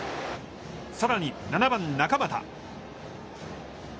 さらに、７番、中俣。